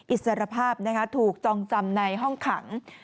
อิสรภาพถูกจองจำในห้องขัง